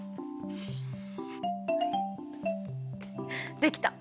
できた！